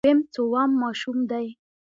ويم څووم ماشوم دی.